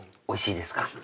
おいしいですか。